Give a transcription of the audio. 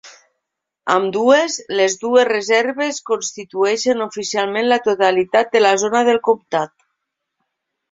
Ambdues, les dues reserves constitueixen oficialment la totalitat de la zona del comtat.